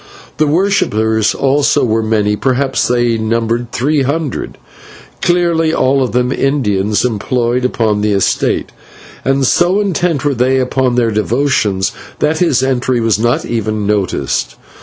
The worshippers also were many perhaps they numbered three hundred, clearly all of them Indians employed upon the estate; and so intent were they upon their devotions that his entry was not even noticed.